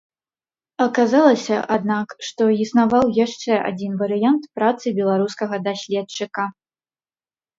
Аказалася, аднак, што існаваў яшчэ адзін варыянт працы беларускага даследчыка.